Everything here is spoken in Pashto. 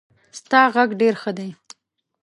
ستا غږ ډېر ښه دی.